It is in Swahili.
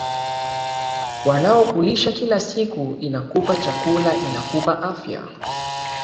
wanaokulisha kila siku Inakupa chakula Inakupa afya